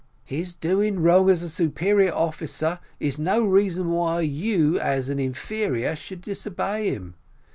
"His doing wrong as superior officer is no reason why you as an inferior should disobey him.